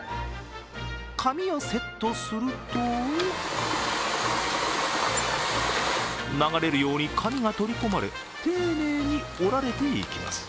紙をセットすると流れるように紙が取り込まれ丁寧に折られていきます。